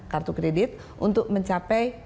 kartu kredit untuk mencapai